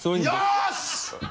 よし！